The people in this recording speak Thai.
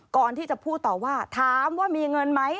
ก่อนที่จะพูดต่อว่าถามว่ามีเงินไหม